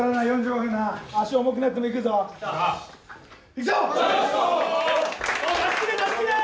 いくぞ！